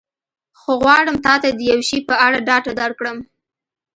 خو غواړم تا ته د یو شي په اړه ډاډ درکړم.